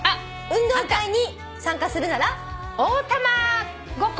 「運動会に参加するなら」